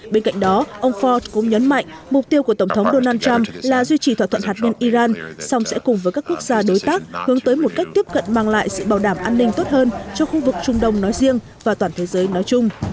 bên cạnh đó ông ford cũng nhấn mạnh mục tiêu của tổng thống donald trump là duy trì thỏa thuận hạt nhân iran song sẽ cùng với các quốc gia đối tác hướng tới một cách tiếp cận mang lại sự bảo đảm an ninh tốt hơn cho khu vực trung đông nói riêng và toàn thế giới nói chung